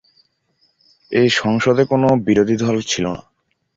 এ সংসদে কোন বিরোধী দল ছিল না।